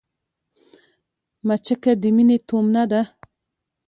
مچکه د مينې تومنه ده